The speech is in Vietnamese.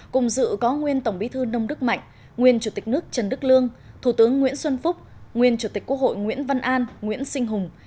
cùng dự có nguyên tổng bí thư nông đức mạnh nguyên chủ tịch nước trần đức lương thủ tướng nguyễn xuân phúc nguyên chủ tịch quốc hội nguyễn văn an nguyễn sinh hùng